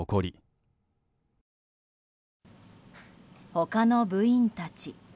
他の部員たち。